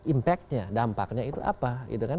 impact nya dampaknya itu apa